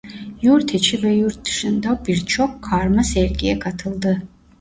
Yurtiçi ve yurtdışında birçok karma sergiye katıldı.